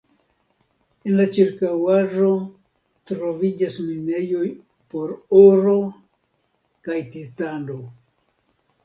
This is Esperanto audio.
En la ĉirkaŭaĵo troviĝas minejoj por oro kaj titano.